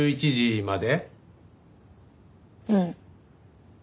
うん。